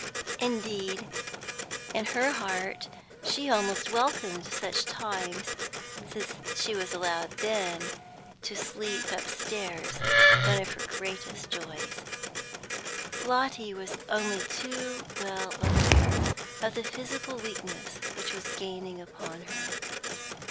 Indeed, in her heart, she almost welcomed such times, since she was then allowed to sleep upstairs, one of her greatest joys. Lotty was only too well aware of the physical weakness which was gaining upon her.